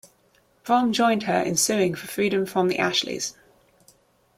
Brom joined her in suing for freedom from the Ashleys.